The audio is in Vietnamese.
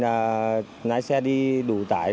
là lái xe đi đủ tải